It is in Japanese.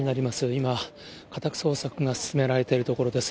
今、家宅捜索が進められているところです。